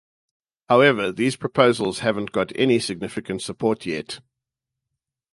However, these proposals haven't got any significant support yet.